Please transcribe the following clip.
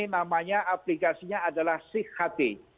namanya aplikasinya adalah sikati